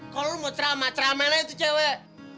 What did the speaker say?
kalo lu mau ceramah ceramah itu cewek